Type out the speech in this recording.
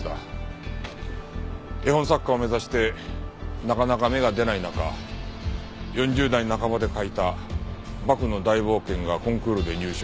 絵本作家を目指してなかなか芽が出ない中４０代半ばで書いた『バクのだいぼうけん』がコンクールで入賞。